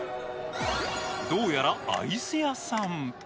どうやらアイス屋さん。